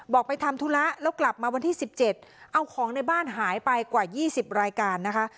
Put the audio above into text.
บอกไปทำธุระแล้วกลับมาวันที่สิบเจ็ดเอาของในบ้านหายไปกว่ายี่สิบรายการนะคะ